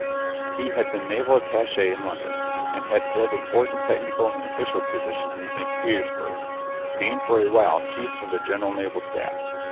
He had been naval attaché in London, and had filled important technical and official positions at St. Petersburg, being for a while chief of the general Naval Staff.